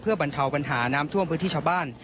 บรรเทาปัญหาน้ำท่วมพื้นที่ชาวบ้าน